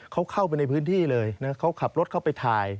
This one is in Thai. เขาเข้าไปในพื้นที่เลยนะเขาขับรถเข้าไปถ่าย